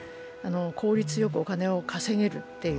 効率よくお金を稼げるっていう。